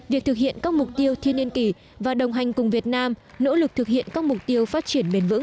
việc thực hiện các mục tiêu thiên niên kỳ và đồng hành cùng việt nam nỗ lực thực hiện các mục tiêu phát triển bền vững